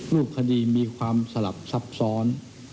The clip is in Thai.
รูปคดีมีความสลับซับซ้อน